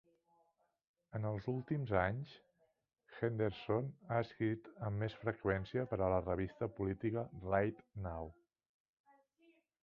En els últims anys, Henderson ha escrit amb més freqüència per a la revista política "Right Now!".